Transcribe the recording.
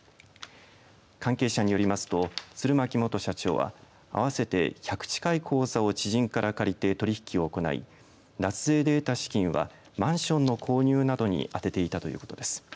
関係者によりますと釣巻元社長は合わせて１００近い口座を知人から借りて取引を行い脱税で得た資金はマンションの購入などにあてていたということです。